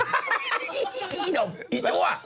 พี่ช่วย